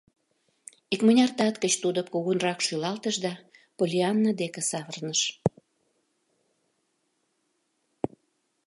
Икмыняр тат гыч тудо кугунрак шӱлалтыш да Поллианна дек савырныш.